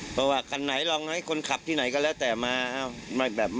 เพราะว่าคันไหนลองให้คนขับที่ไหนก็แล้วแต่มาแบบ